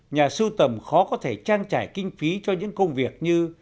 nhà sưu tầm khó có thể trang trải kinh phí cho những công việc như